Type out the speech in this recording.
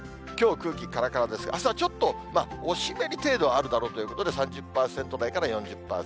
きょう、空気からからですが、あすはちょっと、お湿り程度あるだろうということで、３０％台から４０％台。